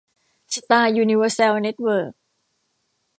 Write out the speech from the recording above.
สตาร์ ยูนิเวอร์แซล เน็ตเวิร์ค